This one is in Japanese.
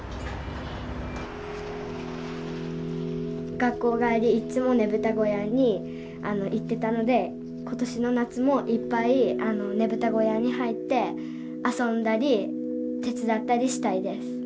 学校帰りいっつもねぶた小屋に行ってたので今年の夏もいっぱいねぶた小屋に入って遊んだり手伝ったりしたいです。